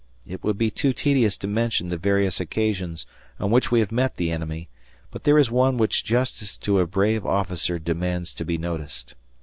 It would be too tedious to mention the various occasions on which we have met the enemy, but there is one which justice to a brave officer demands to be noticed.